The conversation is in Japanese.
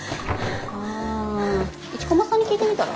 うん一駒さんに聞いてみたら？